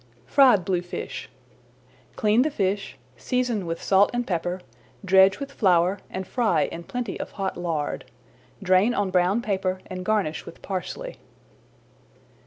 FRIED BLUEFISH Clean the fish, season with salt and pepper, dredge with flour and fry in plenty of hot lard. Drain on brown paper and garnish with parsley.